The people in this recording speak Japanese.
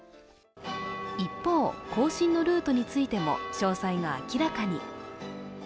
一方、行進のルートについても詳細が明らかに。